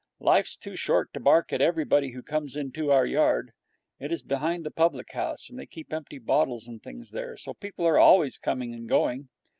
Life's too short to bark at everybody who comes into our yard. It is behind the public house, and they keep empty bottles and things there, so people are always coming and going.